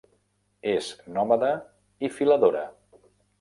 És nòmada i filadora.